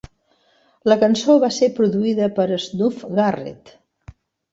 La cançó va ser produïda per Snuff Garrett.